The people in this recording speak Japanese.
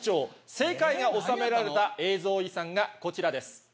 正解がおさめられた映像遺産がこちらです。